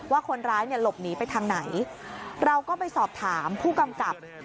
ว่าคนร้ายเนี่ยหลบหนีไปทางไหนเราก็ไปสอบถามผู้กำกับ